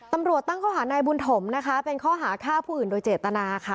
ตำรวจตั้งข้อหานายบุญถมนะคะเป็นข้อหาฆ่าผู้อื่นโดยเจตนาค่ะ